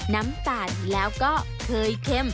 น้ำตาลแล้วก็เคยเค็ม